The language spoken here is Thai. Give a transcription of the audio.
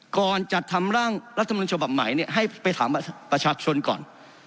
ก่อนจัดทำร่างรัฐมนุนฉบับใหม่ให้ไปถามประชาชนก่อน